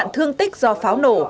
nạn thương tích do pháo nổ